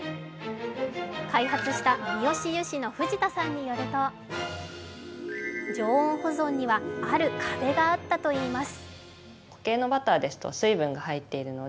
開発したミヨシ油脂の藤田さんによると、常温保存には、ある壁があったといいます。